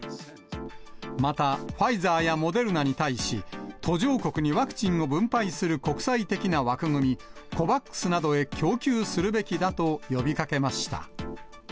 また、ファイザーやモデルナに対し、途上国にワクチンを分配する国際的な枠組み、ＣＯＶＡＸなどへ供給するべきだと呼びかけました。